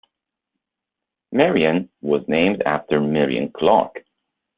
Marion was named after Marion Clark.